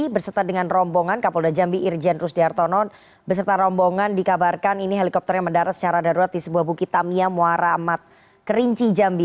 berserta dengan rombongan kapolda jambi irjen rusdi hartonon beserta rombongan dikabarkan ini helikopter yang mendarat secara darurat di sebuah bukit tamiya muara amat kerinci jambi